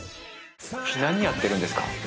「何やってるんですか？